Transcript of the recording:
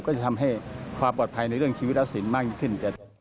จะทำให้ความปลอดภัยในเรื่องชีวิตและสินมากยิ่งขึ้น